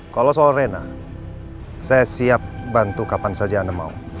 kalau soal rena saya siap bantu kapan saja anda mau